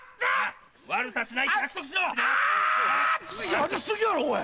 やり過ぎやろおい！